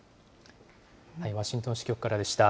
ワシントン支局からでした。